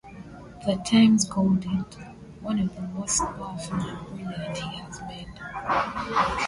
The Times called it, one of the most powerful and brilliant he has made.